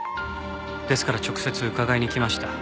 ですから直接伺いに来ました。